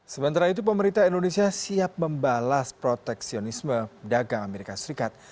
sementara itu pemerintah indonesia siap membalas proteksionisme dagang amerika serikat